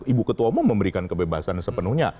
ibu ketua umum memberikan kebebasan sepenuhnya